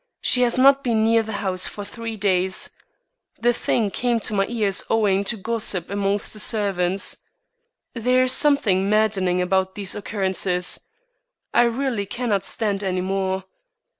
She has not been near the house for three days. The thing came to my ears owing to gossip amongst the servants. There is something maddening about these occurrences. I really cannot stand any more.